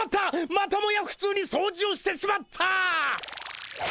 またもやふつうに掃除をしてしまった！